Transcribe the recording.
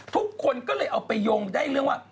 ทุกคนก็เลยเอาไปโยงได้เรื่องว่า